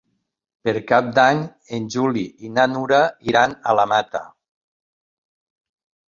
Per Cap d'Any en Juli i na Nura iran a la Mata.